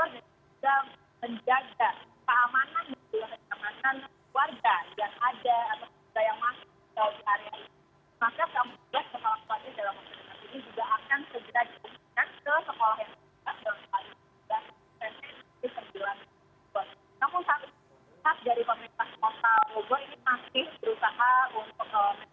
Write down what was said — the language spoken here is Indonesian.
sementara enam kepala warga jasad yang memang terkena dampak dari tiburan umur umur